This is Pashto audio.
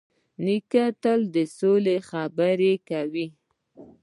نیکه تل د سولې خبرې کوي.